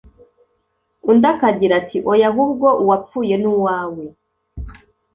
undi akagira ati oya ahubwo uwapfuye ni uwawe